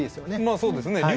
まあそうですね。